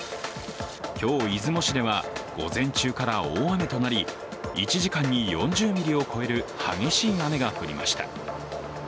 今日、出雲市では午前中から大雨となり、１時間に４０ミリを超える激しい雨が降りました。